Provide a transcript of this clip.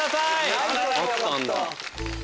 あったんだ。